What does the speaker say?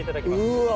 うわ